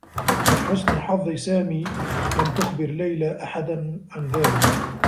من حسن حظّ سامي، لم تخبر ليلى أحدا عن ذلك.